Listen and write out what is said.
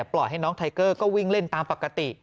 ปล่อยให้น้องไทเกอร์ก็วิ่งเล่นตามปกติ